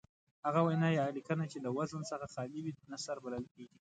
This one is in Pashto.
هغه وینا یا لیکنه چې له وزن څخه خالي وي نثر بلل کیږي.